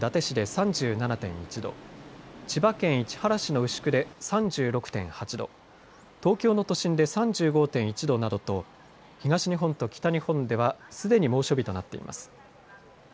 ３７．１度、千葉県市原市の牛久で３６．８度、東京の都心で３５．１度などと東日本と北日本ではすでに猛暑日となっています。